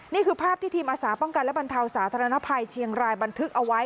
นี่คือภาพที่ทีมอาสาป้องกันและบรรเทาสาธารณภัยเชียงรายบันทึกเอาไว้